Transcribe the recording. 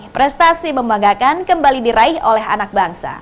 prestasi membanggakan kembali diraih oleh anak bangsa